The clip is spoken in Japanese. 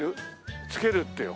付けるってよ。